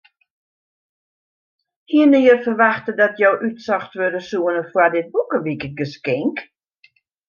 Hiene je ferwachte dat jo útsocht wurde soene foar dit boekewikegeskink?